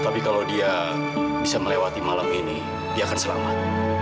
tapi kalau dia bisa melewati malam ini dia akan selamat